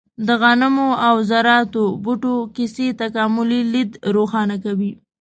د غنمو او ذراتو بوټو کیسې تکاملي لید روښانه کوي.